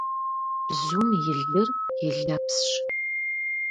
Бзум и лыр, и лэпсщ.